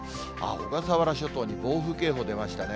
小笠原諸島に暴風警報出ましたね。